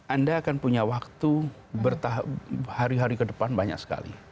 anda akan punya waktu hari hari ke depan banyak sekali